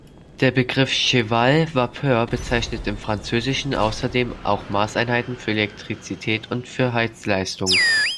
Der Begriff "cheval-vapeur" bezeichnet im Französischen außerdem auch Maßeinheiten für Elektrizität und für Heizleistung.